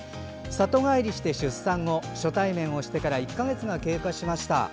里帰りして出産後初対面をしてから１か月が経過しました。